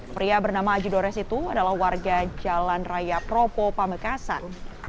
pria bernama ajido res itu adalah warga jalan raya propo pabekasan